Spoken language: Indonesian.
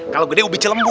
kalau gede ubi celem bu